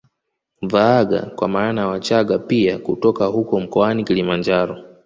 Vaagha kwa maana ya Wachaga pia kutoka huko mkoani Kilimanjaro